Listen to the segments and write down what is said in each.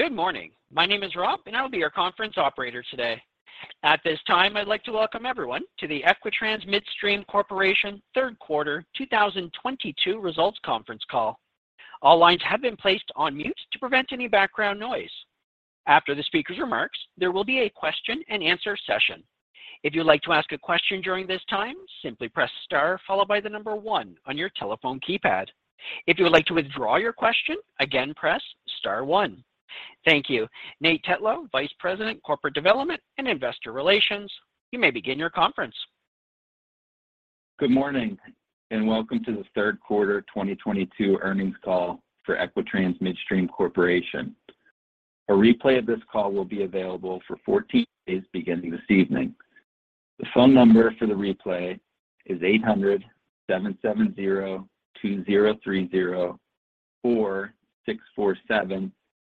Good morning. My name is Rob, and I'll be your conference operator today. At this time, I'd like to welcome everyone to the Equitrans Midstream Corporation third quarter 2022 results conference call. All lines have been placed on mute to prevent any background noise. After the speaker's remarks, there will be a question-and-answer session. If you'd like to ask a question during this time, simply press Star followed by the number one on your telephone keypad. If you would like to withdraw your question, again press star one thank you. Nathan Tetlow, Vice President, Corporate Development and Investor Relations, you may begin your conference. Good morning, and welcome to the third quarter 2022 earnings call for Equitrans Midstream Corporation. A replay of this call will be available for 14 days beginning this evening.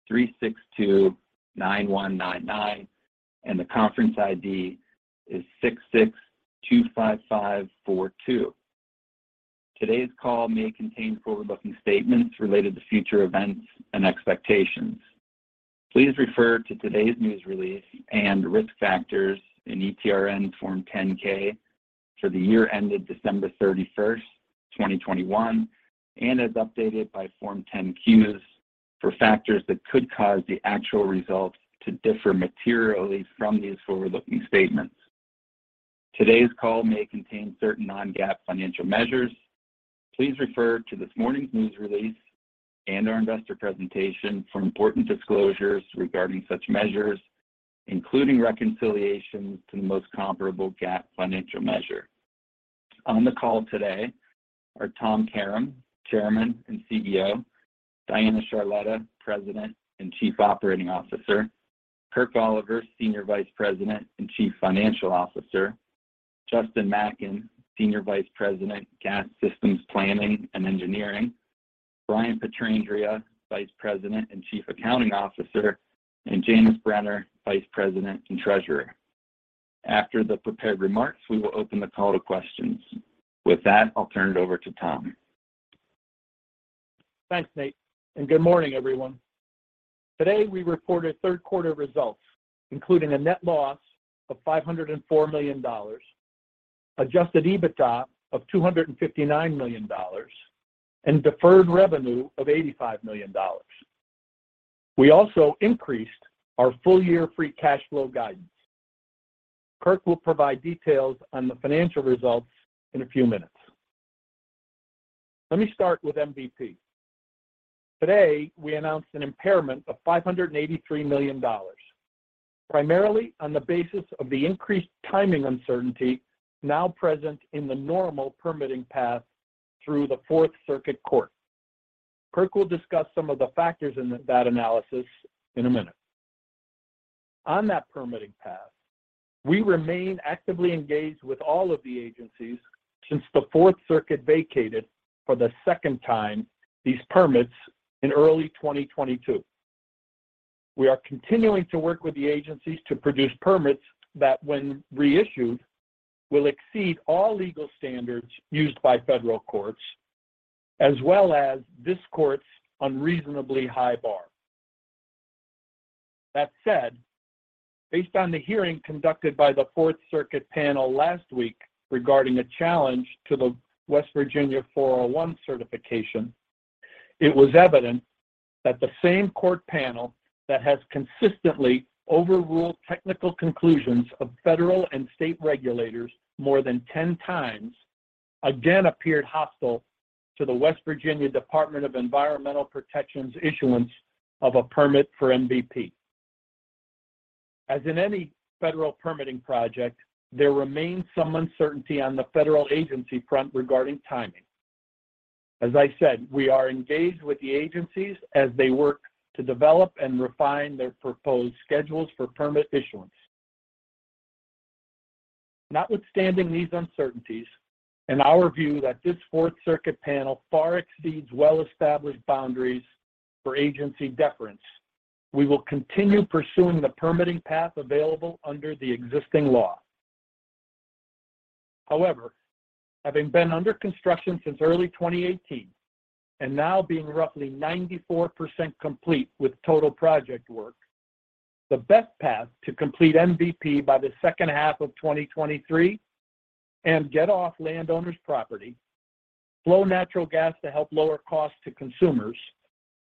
The phone number for the replay is 800-770-2030-4647-362-9199, and the conference ID is 6625542. Today's call may contain forward-looking statements related to future events and expectations. Please refer to today's news release and risk factors in ETRN Form 10-K for the year ended December 31st, 2021, and as updated by Form 10-Qs for factors that could cause the actual results to differ materially from these forward-looking statements. Today's call may contain certain non-GAAP financial measures. Please refer to this morning's news release and our investor presentation for important disclosures regarding such measures, including reconciliation to the most comparable GAAP financial measure. On the call today are Tom Karam, Chairman and CEO, Diana Charletta, President and Chief Operating Officer, Kirk Oliver, Senior Vice President and Chief Financial Officer, Justin Macken, Senior Vice President, Gas Systems Planning and Engineering, Brian Pietrandrea, Vice President and Chief Accounting Officer, and Janice Brenner, Vice President and Treasurer. After the prepared remarks, we will open the call to questions. With that, I'll turn it over to Tom. Thanks, Nate and good morning everyone. Today, we reported third quarter results, including a net loss of $504 million, adjusted EBITDA of $259 million, and deferred revenue of $85 million. We also increased our full year free cash flow guidance. Kirk will provide details on the financial results in a few minutes. Let me start with MVP. Today, we announced an impairment of $583 million, primarily on the basis of the increased timing uncertainty now present in the normal permitting path through the Fourth Circuit Court. Kirk will discuss some of the factors in that analysis in a minute. On that permitting path, we remain actively engaged with all of the agencies since the Fourth Circuit vacated for the second time these permits in early 2022. We are continuing to work with the agencies to produce permits that, when reissued, will exceed all legal standards used by federal courts as well as this court's unreasonably high bar. That said, based on the hearing conducted by the Fourth Circuit panel last week regarding a challenge to the West Virginia 401 certification, it was evident that the same court panel that has consistently overruled technical conclusions of federal and state regulators more than 10x again appeared hostile to the West Virginia Department of Environmental Protection's issuance of a permit for MVP. As in any federal permitting project, there remains some uncertainty on the federal agency front regarding timing. As I said, we are engaged with the agencies as they work to develop and refine their proposed schedules for permit issuance. Notwithstanding these uncertainties and our view that this Fourth Circuit panel far exceeds well-established boundaries for agency deference, we will continue pursuing the permitting path available under the existing law. However, having been under construction since early 2018 and now being roughly 94% complete with total project work, the best path to complete MVP by the second half of 2023 and get off landowners property, flow natural gas to help lower costs to consumers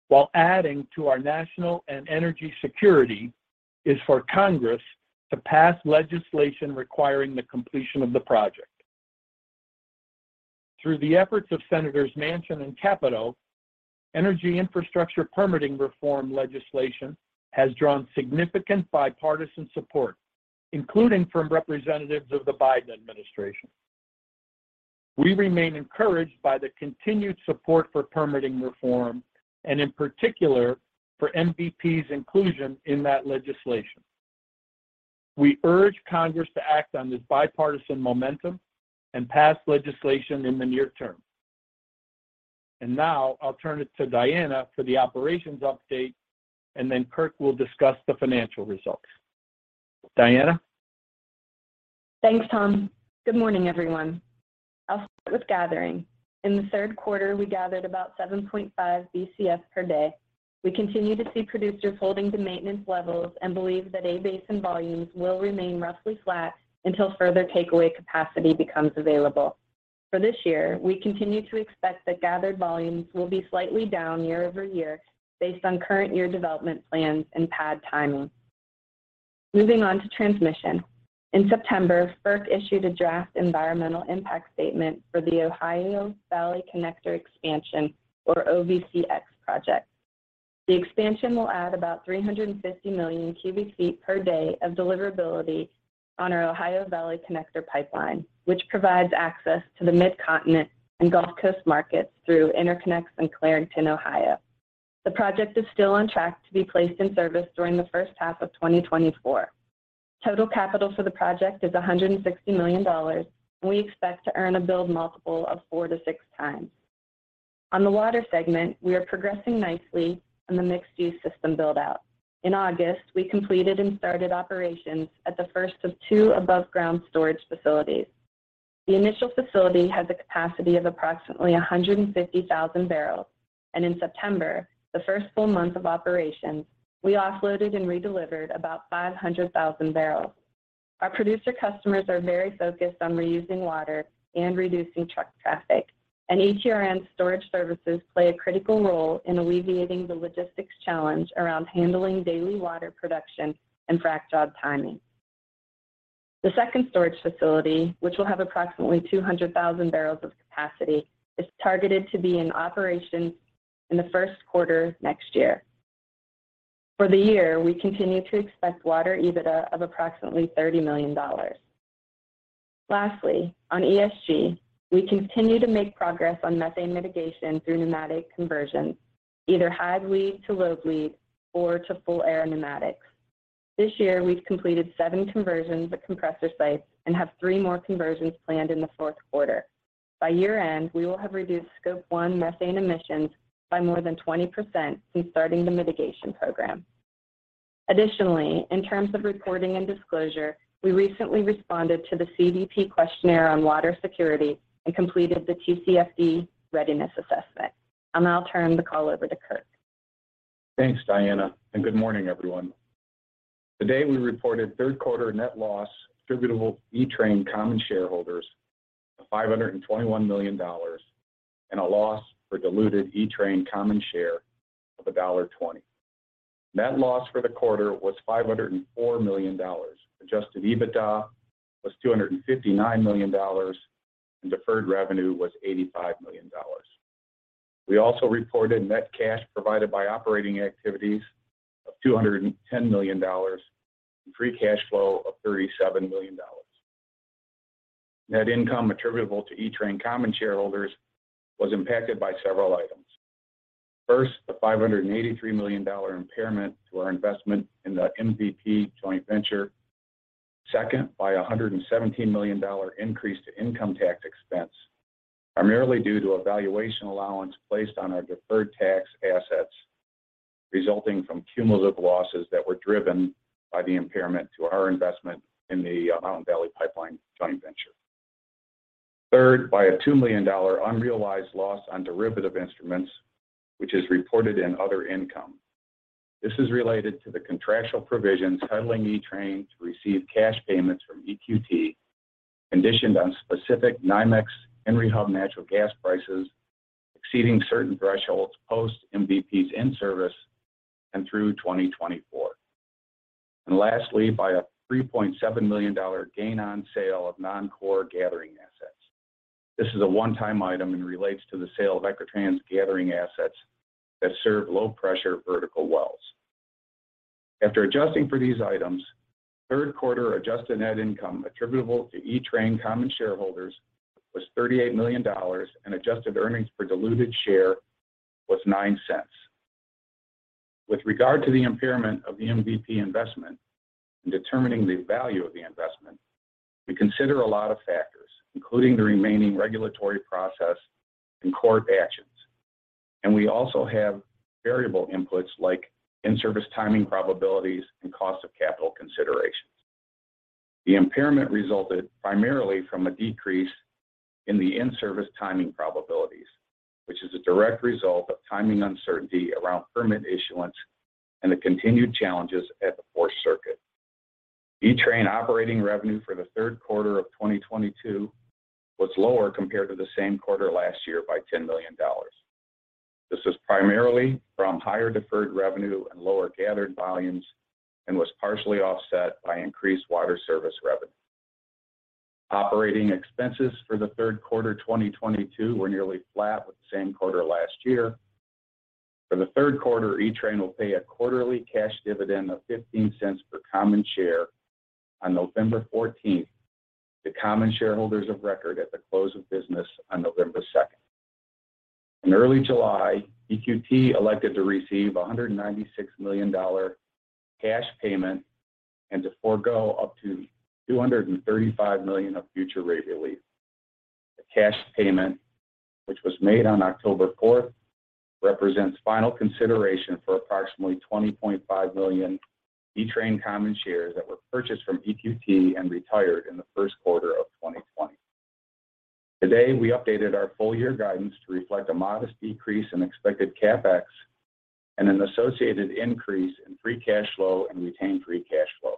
while adding to our national and energy security, is for Congress to pass legislation requiring the completion of the project. Through the efforts of Senators Manchin and Capito, energy infrastructure permitting reform legislation has drawn significant bipartisan support, including from representatives of the Biden administration. We remain encouraged by the continued support for permitting reform and, in particular, for MVP's inclusion in that legislation. We urge Congress to act on this bipartisan momentum and pass legislation in the near term. Now I'll turn it to Diana for the operations update, and then Kirk will discuss the financial results. Diana? Thanks, Tom. Good morning, everyone. I'll start with gathering. In the third quarter, we gathered about 7.5 BCF per day. We continue to see producers holding to maintenance levels and believe that A basin volumes will remain roughly flat until further takeaway capacity becomes available. For this year, we continue to expect that gathered volumes will be slightly down year-over-year based on current year development plans and pad timing. Moving on to transmission. In September, FERC issued a draft environmental impact statement for the Ohio Valley Connector Expansion or OVCX project. The expansion will add about 350 million cubic feet per day of deliverability on our Ohio Valley Connector pipeline, which provides access to the Midcontinent and Gulf Coast markets through interconnects in Clarington, Ohio. The project is still on track to be placed in service during the first half of 2024. Total capital for the project is $160 million, and we expect to earn a build multiple of 4-6x. On the water segment, we are progressing nicely on the mixed-use system build-out. In August, we completed and started operations at the first of two above-ground storage facilities. The initial facility has a capacity of approximately 150,000 barrels, and in September, the first full month of operations, we offloaded and redelivered about 500,000 barrels. Our producer customers are very focused on reusing water and reducing truck traffic, and ETRN storage services play a critical role in alleviating the logistics challenge around handling daily water production and frac job timing. The second storage facility, which will have approximately 200,000 barrels of capacity, is targeted to be in operation in the first quarter next year. For the year, we continue to expect Adjusted EBITDA of approximately $30 million. Lastly, on ESG, we continue to make progress on methane mitigation through pneumatic conversions, either high bleed to low bleed or to full air pneumatics. This year, we've completed seven conversions at compressor sites and have three more conversions planned in the fourth quarter. By year-end, we will have reduced scope one methane emissions by more than 20% since starting the mitigation program. Additionally, in terms of reporting and disclosure, we recently responded to the CDP questionnaire on water security and completed the TCFD readiness assessment. I'll now turn the call over to Kirk. Thanks, Diana, and good morning, everyone. Today, we reported third quarter net loss attributable to ETRN common shareholders of $521 million and a loss for diluted ETRN common share of $1.20. Net loss for the quarter was $504 million. Adjusted EBITDA was $259 million, and deferred revenue was $85 million. We also reported net cash provided by operating activities of $210 million and free cash flow of $37 million. Net income attributable to ETRN common shareholders was impacted by several items. First, the $583 million impairment to our investment in the MVP joint venture. Second, by a $117 million increase to income tax expense, primarily due to a valuation allowance placed on our deferred tax assets, resulting from cumulative losses that were driven by the impairment to our investment in the Mountain Valley Pipeline joint venture. Third, by a $2 million unrealized loss on derivative instruments, which is reported in other income. This is related to the contractual provisions entitling Equitrans to receive cash payments from EQT, conditioned on specific NYMEX Henry Hub natural gas prices exceeding certain thresholds post MVP's in-service and through 2024. Lastly, by a $3.7 million gain on sale of non-core gathering assets. This is a one-time item and relates to the sale of Equitrans's gathering assets that serve low-pressure vertical wells. After adjusting for these items, third quarter adjusted net income attributable to Equitrans common shareholders was $38 million, and adjusted earnings per diluted share was $0.09. With regard to the impairment of the MVP investment, in determining the value of the investment, we consider a lot of factors, including the remaining regulatory process and court actions. We also have variable inputs like in-service timing probabilities and cost of capital considerations. The impairment resulted primarily from a decrease in the in-service timing probabilities, which is a direct result of timing uncertainty around permit issuance and the continued challenges at the Fourth Circuit. Equitrans operating revenue for the third quarter of 2022 was lower compared to the same quarter last year by $10 million. This is primarily from higher deferred revenue and lower gathered volumes and was partially offset by increased water service revenue. Operating expenses for the third quarter 2022 were nearly flat with the same quarter last year. For the third quarter, Equitrans will pay a quarterly cash dividend of $0.15 per common share on November 14th to common shareholders of record at the close of business on November 2nd. In early July, EQT elected to receive $196 million cash payment and to forgo up to $235 million of future rate relief. The cash payment, which was made on October fourth, represents final consideration for approximately 20.5 million ETRN common shares that were purchased from EQT and retired in the first quarter of 2020. Today, we updated our full year guidance to reflect a modest decrease in expected CapEx and an associated increase in free cash flow and retained free cash flow.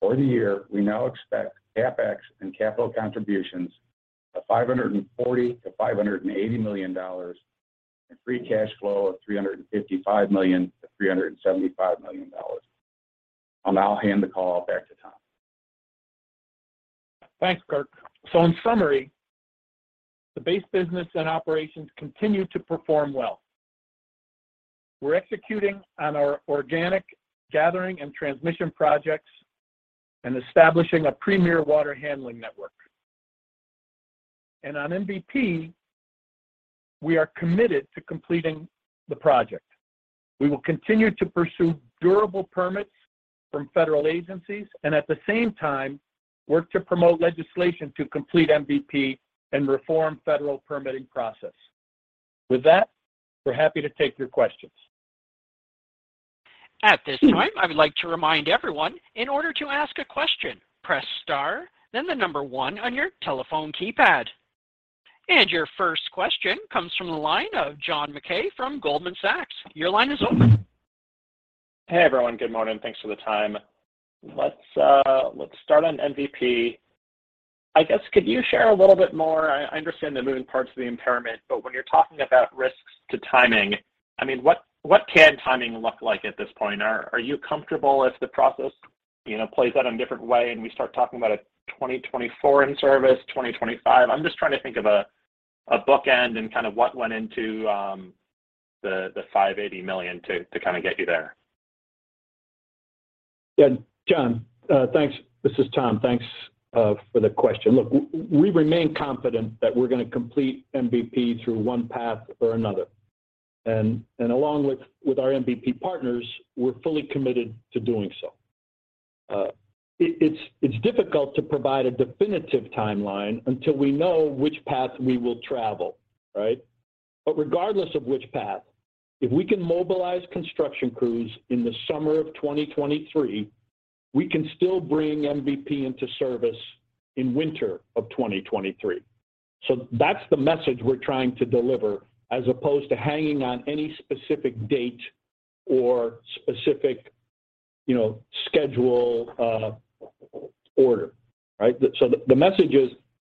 For the year, we now expect CapEx and capital contributions of $540 million-$580 million and free cash flow of $355 million-$375 million. I'll now hand the call back to Tom. Thanks, Kirk. In summary, the base business and operations continue to perform well. We're executing on our organic gathering and transmission projects and establishing a premier water handling network. On MVP, we are committed to completing the project. We will continue to pursue durable permits from federal agencies and at the same time work to promote legislation to complete MVP and reform federal permitting process. With that, we're happy to take your questions. At this time, I would like to remind everyone in order to ask a question, press star, then the number one on your telephone keypad. Your first question comes from the line of John Mackay from Goldman Sachs. Your line is open. Hey, everyone. Good morning. Thanks for the time let's start on MVP. I guess, could you share a little bit more? I understand the moving parts of the impairment, but when you're talking about risks to timing, I mean, what can timing look like at this point? Are you comfortable if the process, you know, plays out a different way and we start talking about a 2024 in service, 2025? I'm just trying to think of a bookend and kind of what went into the $580 million to kind of get you there. Yeah. John, thanks. This is Tom thanks for the question. Look, we remain confident that we're gonna complete MVP through one path or another. Along with our MVP partners, we're fully committed to doing so. It's difficult to provide a definitive timeline until we know which path we will travel, right? Regardless of which path, if we can mobilize construction crews in the summer of 2023, we can still bring MVP into service in winter of 2023. That's the message we're trying to deliver as opposed to hanging on any specific date or specific, you know, schedule, order, right? The message is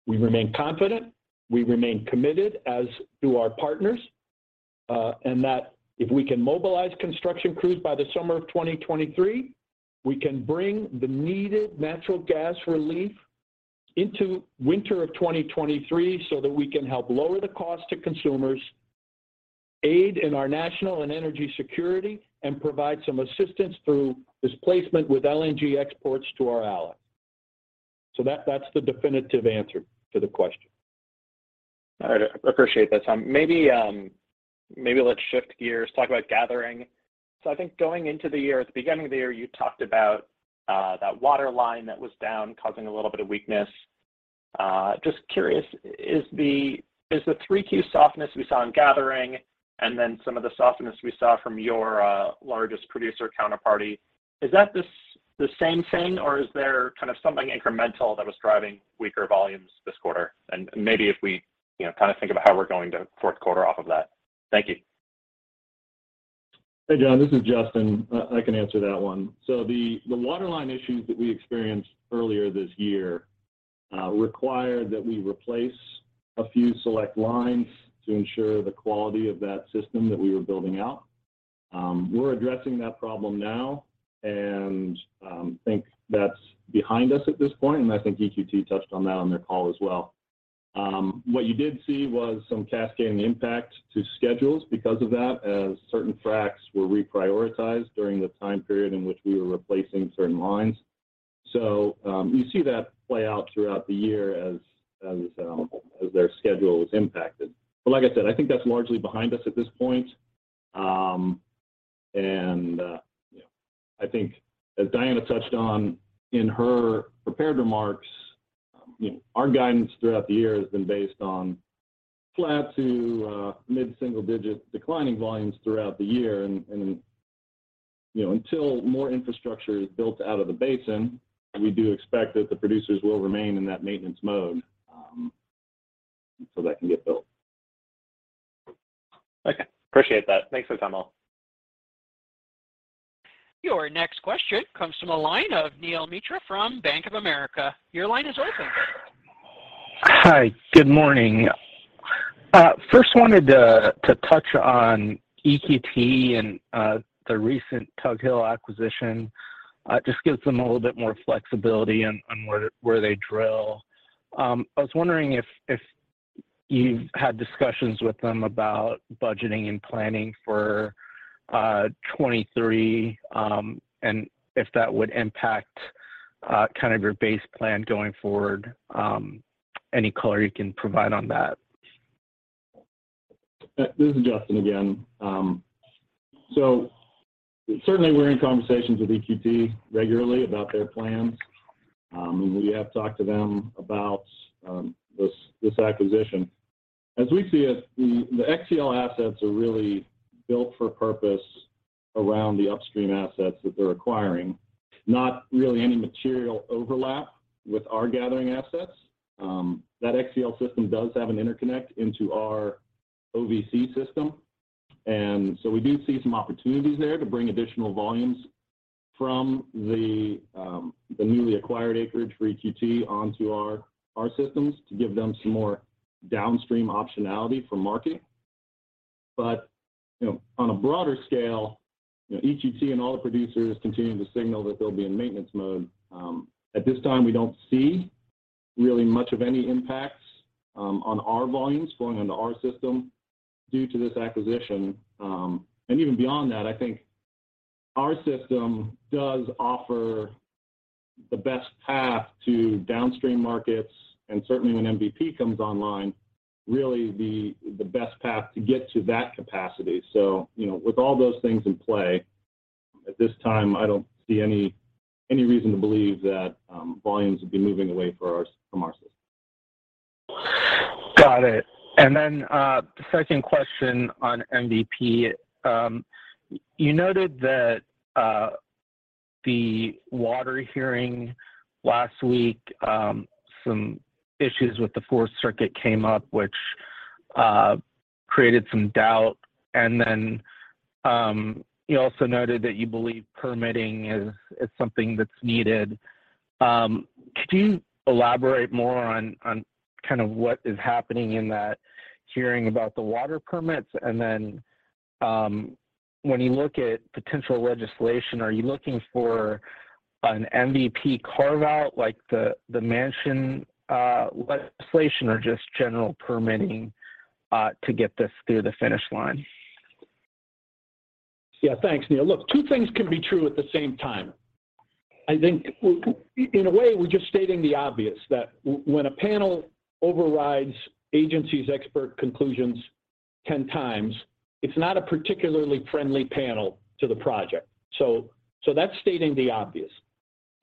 we remain confident, we remain committed, as do our partners, and that if we can mobilize construction crews by the summer of 2023, we can bring the needed natural gas relief into winter of 2023 so that we can help lower the cost to consumers, aid in our national and energy security, and provide some assistance through displacement with LNG exports to our allies. That's the definitive answer to the question. All right. I appreciate that, Tom. Maybe let's shift gears, talk about gathering. I think going into the year, at the beginning of the year, you talked about that water line that was down causing a little bit of weakness. Just curious, is the 3Q softness we saw in gathering and then some of the softness we saw from your largest producer counterparty, is that the same thing or is there kind of something incremental that was driving weaker volumes this quarter? Maybe if we, you know, kind of think about how we're going into fourth quarter off of that. Thank you. Hey, John, this is Justin. I can answer that one. The waterline issues that we experienced earlier this year required that we replace a few select lines to ensure the quality of that system that we were building out. We're addressing that problem now and think that's behind us at this point, and I think EQT touched on that on their call as well. What you did see was some cascading impact to schedules because of that as certain fracs were reprioritized during the time period in which we were replacing certain lines. You see that play out throughout the year as you said, as their schedule was impacted. Like I said, I think that's largely behind us at this point. You know, I think as Diana touched on in her prepared remarks, you know, our guidance throughout the year has been based on flat to mid-single digit declining volumes throughout the year. You know, until more infrastructure is built out of the basin, we do expect that the producers will remain in that maintenance mode, until that can get built. Okay. Appreciate that. Thanks for the time, all. Your next question comes from the line of Neil Mehta from Goldman Sachs. Your line is open. Hi. Good morning. First wanted to touch on EQT and the recent Tug Hill acquisition. Just gives them a little bit more flexibility on where they drill. I was wondering if you've had discussions with them about budgeting and planning for 2023, and if that would impact kind of your base plan going forward. Any color you can provide on that? This is Justin again. Certainly we're in conversations with EQT regularly about their plans. We have talked to them about this acquisition. As we see it, the XcL assets are really built for purpose around the upstream assets that they're acquiring, not really any material overlap with our gathering assets. That XcL system does have an interconnect into our OVC system. We do see some opportunities there to bring additional volumes from the newly acquired acreage for EQT onto our systems to give them some more downstream optionality for market. But you know, on a broader scale, you know, EQT and all the producers continue to signal that they'll be in maintenance mode. At this time, we don't see really much of any impacts on our volumes flowing into our system due to this acquisition. Even beyond that, I think our system does offer the best path to downstream markets, and certainly when MVP comes online, really the best path to get to that capacity. You know, with all those things in play, at this time, I don't see any reason to believe that volumes would be moving away from our system. Got it. The second question on MVP. You noted that the water hearing last week, some issues with the Fourth Circuit came up, which created some doubt. And then you also noted that you believe permitting is something that's needed. Could you elaborate more on kind of what is happening in that hearing about the water permits? And then when you look at potential legislation, are you looking for an MVP carve-out like the Manchin legislation or just general permitting to get this through the finish line? Yeah. Thanks, Neil. Look, two things can be true at the same time. I think in a way, we're just stating the obvious that when a panel overrides agency's expert conclusions 10x, it's not a particularly friendly panel to the project. That's stating the obvious.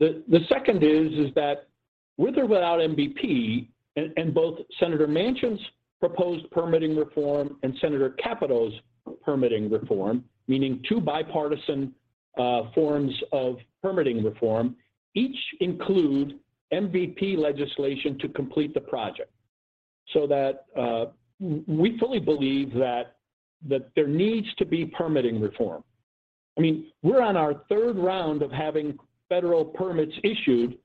The second is that with or without MVP, and both Senator Manchin's proposed permitting reform and Senator Capito's permitting reform, meaning two bipartisan forms of permitting reform, each include MVP legislation to complete the project. So that we fully believe that there needs to be permitting reform. I mean, we're on our third round of having federal permits issued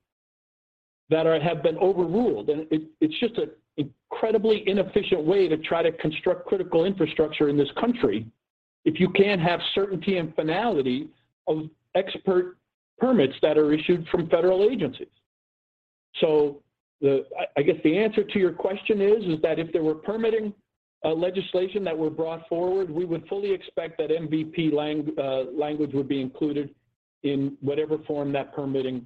that have been overruled. It's just an incredibly inefficient way to try to construct critical infrastructure in this country if you can't have certainty and finality of expert permits that are issued from federal agencies. I guess the answer to your question is that if there were permitting legislation that were brought forward, we would fully expect that MVP language would be included in whatever form that permitting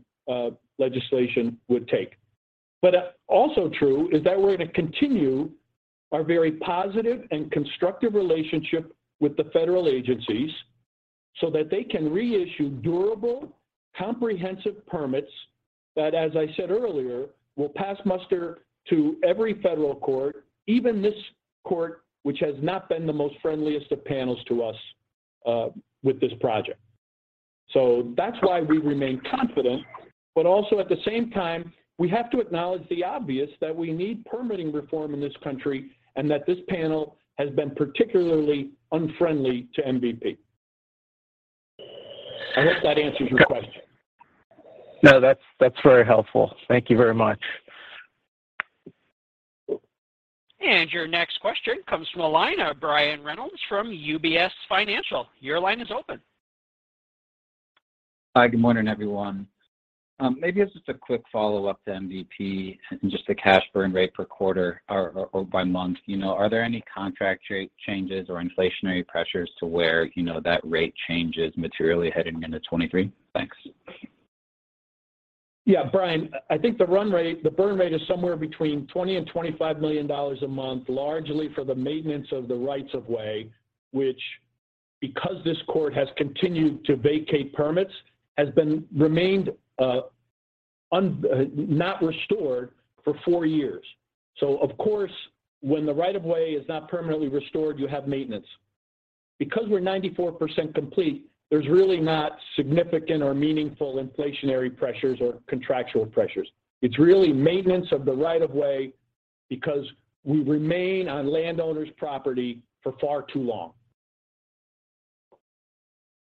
legislation would take. Also true is that we're gonna continue our very positive and constructive relationship with the federal agencies so that they can reissue durable, comprehensive permits that, as I said earlier, will pass muster to every federal court, even this court, which has not been the most friendliest of panels to us with this project. That's why we remain confident. Also at the same time, we have to acknowledge the obvious that we need permitting reform in this country and that this panel has been particularly unfriendly to MVP. I hope that answers your question? No, that's very helpful. Thank you very much. Your next question comes from the line of Brian Reynolds from UBS. Your line is open. Hi. Good morning, everyone. Maybe it's just a quick follow-up to MVP and just the cash burn rate per quarter or by month. You know, are there any contract changes or inflationary pressures to where, you know, that rate changes materially heading into 2023? Thanks. Yeah. Brian, I think the run rate, the burn rate is somewhere between $20 million and $25 million a month, largely for the maintenance of the rights of way, which, because this court has continued to vacate permits, has been remained has not been restored for four years. Of course, when the right of way is not permanently restored, you have maintenance. Because we're 94% complete, there's really not significant or meaningful inflationary pressures or contractual pressures. It's really maintenance of the right of way because we remain on landowner's property for far too long.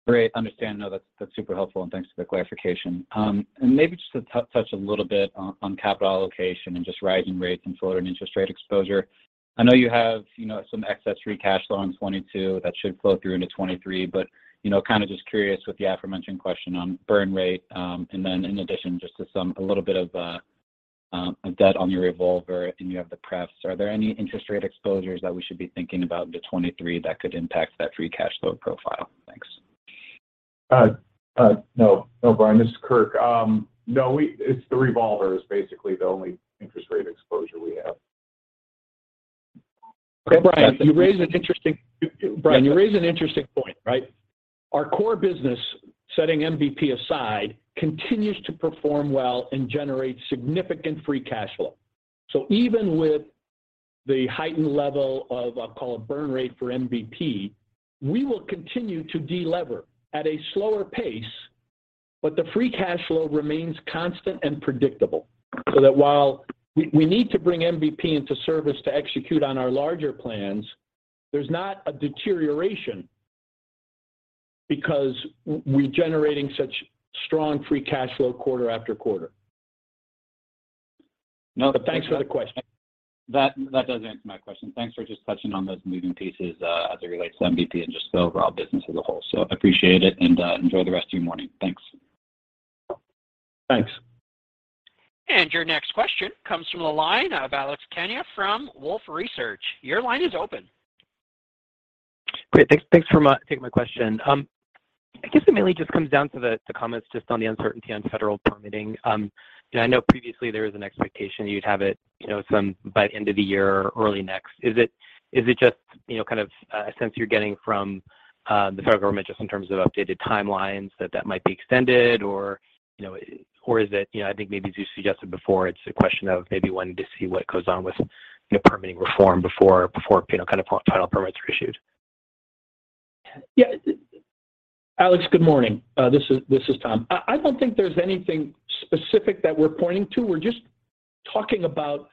Great. Understand. No, that's super helpful, and thanks for the clarification. And maybe just to touch a little bit on capital allocation and just rising rates and forward interest rate exposure. I know you have, you know, some excess free cash flow in 2022 that should flow through into 2023. You know, kind of just curious with the aforementioned question on burn rate, and then in addition, just a little bit of debt on your revolver, and you have the pref. Are there any interest rate exposures that we should be thinking about to 2023 that could impact that free cash flow profile? No. No, Brian, this is Kirk. No, it's the revolver, is basically the only interest rate exposure we have. Brian, you raise an interesting point, right? Our core business, setting MVP aside, continues to perform well and generate significant free cash flow. Even with the heightened level of, I'll call it burn rate for MVP, we will continue to delever at a slower pace, but the free cash flow remains constant and predictable. That while we need to bring MVP into service to execute on our larger plans, there's not a deterioration because we're generating such strong free cash flow quarter after quarter. No, but thanks for the question. That does answer my question. Thanks for just touching on those moving pieces, as it relates to MVP and just the overall business as a whole. Appreciate it and enjoy the rest of your morning. Thanks. Thanks. Your next question comes from the line of Alex Kania from Wolfe Research. Your line is open. Great. Thanks for taking my question. I guess it mainly just comes down to the comments just on the uncertainty on federal permitting. You know, I know previously there was an expectation you'd have it, you know, some by end of the year or early next. Is it just, you know, kind of a sense you're getting from the federal government just in terms of updated timelines that might be extended or, you know? Is it, you know, I think maybe as you suggested before, it's a question of maybe wanting to see what goes on with, you know, permitting reform before, you know, kind of final permits are issued? Yeah. Alex, good morning. This is Tom. I don't think there's anything specific that we're pointing to. We're just talking about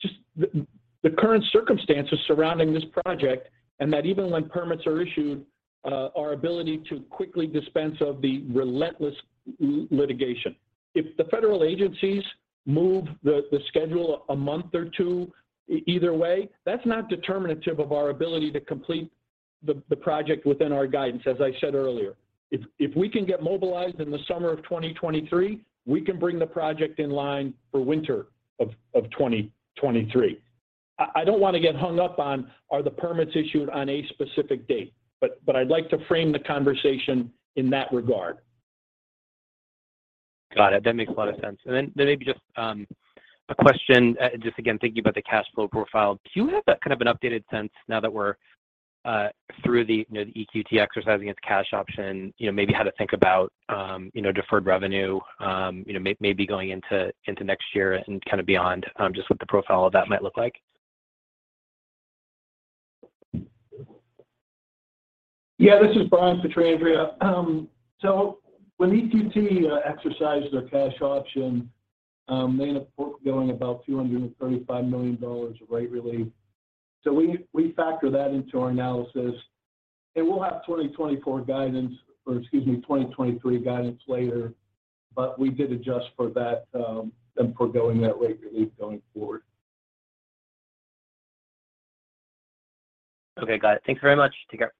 just the current circumstances surrounding this project, and that even when permits are issued, our ability to quickly dispense of the relentless litigation. If the federal agencies move the schedule a month or two either way, that's not determinative of our ability to complete the project within our guidance, as I said earlier. If we can get mobilized in the summer of 2023, we can bring the project in line for winter of 2023. I don't wanna get hung up on are the permits issued on a specific date, but I'd like to frame the conversation in that regard. Got it. That makes a lot of sense. Then maybe just a question, just again, thinking about the cash flow profile. Do you have that kind of an updated sense now that we're through the, you know, the EQT exercising its cash option, you know, maybe how to think about, you know, deferred revenue, you know, maybe going into next year and kind of beyond, just what the profile of that might look like? Yeah, this is Brian Pietrandrea. When EQT exercised their cash option, they end up foregoing about $235 million of rate relief. We factor that into our analysis. We'll have 2023 guidance later, but we did adjust for that, and foregoing that rate relief going forward. Okay. Got it. Thank you very much. Take care.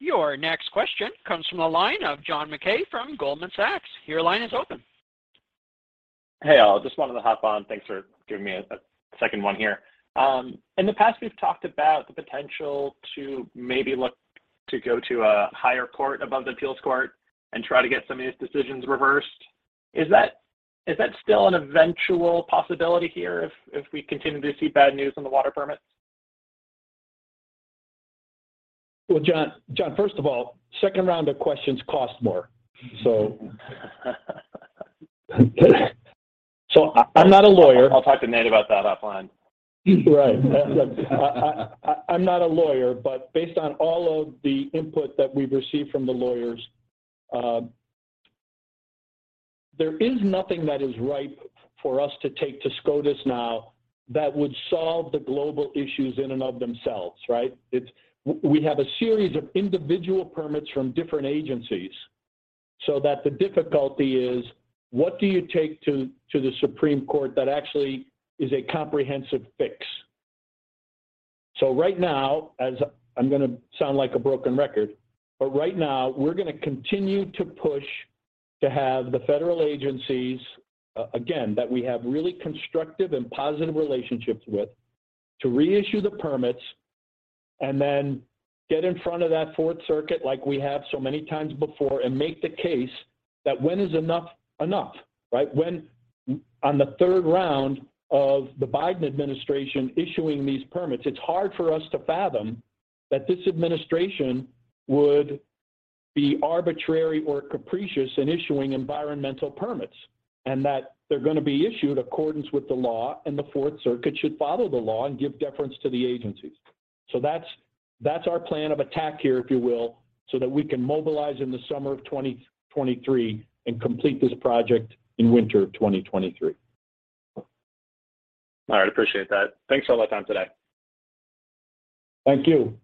Your next question comes from the line of John Mackay from Goldman Sachs. Your line is open. Hey, all. Just wanted to hop on. Thanks for giving me a second one here. In the past, we've talked about the potential to maybe look to go to a higher court above the appeals court and try to get some of these decisions reversed. Is that still an eventual possibility here if we continue to see bad news on the water permits? Well, John, first of all, second round of questions cost more. So I'm not a lawyer. I'll talk to Nate about that offline. Right. I'm not a lawyer, but based on all of the input that we've received from the lawyers, there is nothing that is ripe for us to take to SCOTUS now that would solve the global issues in and of themselves, right? We have a series of individual permits from different agencies so that the difficulty is what do you take to the Supreme Court that actually is a comprehensive fix. Right now, as I'm gonna sound like a broken record, but right now we're gonna continue to push to have the federal agencies, again, that we have really constructive and positive relationships with, to reissue the permits and then get in front of that Fourth Circuit like we have so many times before and make the case that when is enough enough, right? When on the third round of the Biden administration issuing these permits, it's hard for us to fathom that this administration would be arbitrary or capricious in issuing environmental permits, and that they're gonna be issued in accordance with the law, and the Fourth Circuit should follow the law and give deference to the agencies. That's our plan of attack here, if you will, so that we can mobilize in the summer of 2023 and complete this project in winter of 2023. All right. Appreciate that. Thanks for all the time today. Thank you.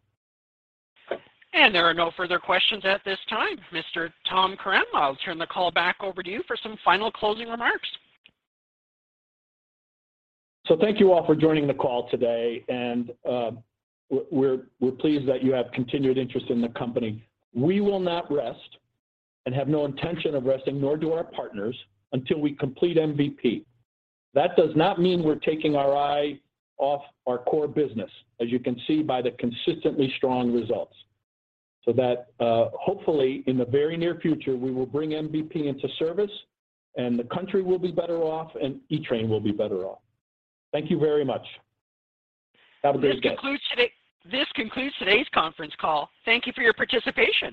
There are no further questions at this time. Mr. Tom Karam, I'll turn the call back over to you for some final closing remarks. Thank you all for joining the call today, and, we're pleased that you have continued interest in the company. We will not rest and have no intention of resting, nor do our partners, until we complete MVP. That does not mean we're taking our eye off our core business, as you can see by the consistently strong results. That hopefully, in the very near future, we will bring MVP into service, and the country will be better off, and Equitrans will be better off. Thank you very much. Have a great day. This concludes today's conference call. Thank you for your participation.